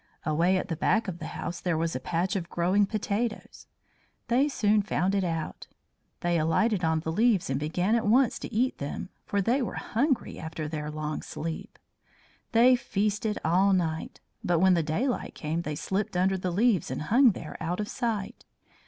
Away at the back of the house there was a patch of growing potatoes. They soon found it out. They alighted on the leaves and began at once to eat them, for they were hungry after their long sleep. They feasted all night, but when the daylight came they slipped under the leaves and hung there out of sight.